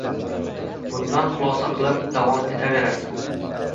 Bundan xulosa qilib davom etaverasan.